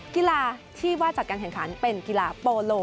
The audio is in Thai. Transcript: กีฬาที่ว่าจัดการแข่งขันเป็นกีฬาโปโล